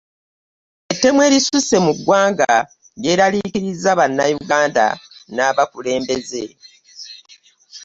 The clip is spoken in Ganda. Ettemu erisuse mu ggwanga lyeralikiriza banna Uganda n'abakulembeze.